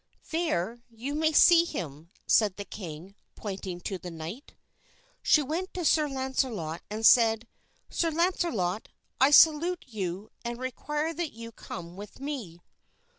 "There you may see him," said the king, pointing to the knight. She went to Sir Launcelot and said, "Sir Launcelot, I salute you and require that you come with me."